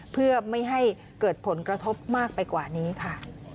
เพื่อไม่ให้เกิดผลกระทบมากไปกว่านี้ค่ะ